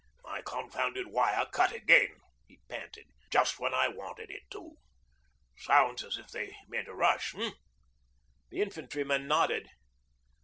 'My confounded wire cut again,' he panted, 'just when I want it too. Sounds as if they meant a rush, eh?' The infantryman nodded.